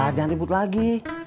baca jangan ribut lagi